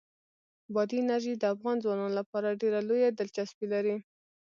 بادي انرژي د افغان ځوانانو لپاره ډېره لویه دلچسپي لري.